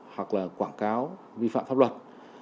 hoặc là quảng cáo vi phạm pháp luật